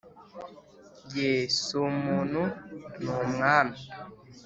yee si umuntu ni umwami!